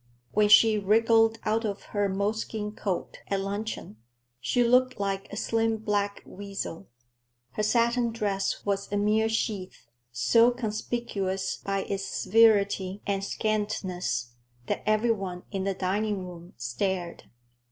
When she wriggled out of her moleskin coat at luncheon, she looked like a slim black weasel. Her satin dress was a mere sheath, so conspicuous by its severity and scantness that every one in the dining room stared.